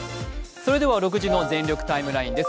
それでは７６時の「全力ＴＩＭＥライン」です。